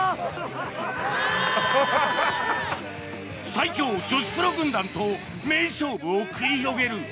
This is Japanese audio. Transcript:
最強女子プロ軍団と名勝負を繰り広げる。